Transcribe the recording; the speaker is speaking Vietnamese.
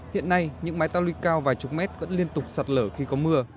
hiện nay những mái tàu lùi cao vài chục mét vẫn liên tục sạt lở khi có mưa